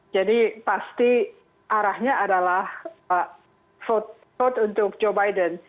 jadi pasti arahnya adalah vote untuk joe biden